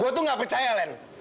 saya tuh gak percaya allen